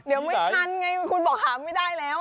เดี๋ยวไม่ทันไงคุณบอกหาไม่ได้แล้ว